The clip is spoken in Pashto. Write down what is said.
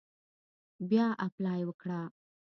بیا اپلای وکړه.